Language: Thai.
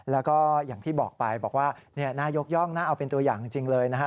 แล้วก็อย่างที่บอกไปบอกว่าน่ายกย่องนะเอาเป็นตัวอย่างจริงเลยนะฮะ